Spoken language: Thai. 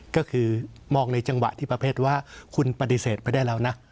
ก็คือมองในจังหวะที่ประเภทว่าคุณปฏิเสธไปได้แล้วนะ